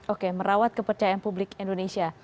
oke merawat kepercayaan publik indonesia